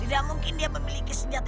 tidak mungkin dia memiliki senjata